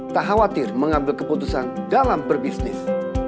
tak khawatir mengambil keputusan dalam berbisnis